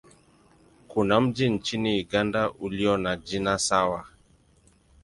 Kuna mji nchini Uganda ulio na jina sawa.